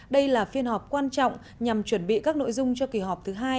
đây là phiên họp quan trọng nhằm chuẩn bị các nội dung cho kỳ họp thứ hai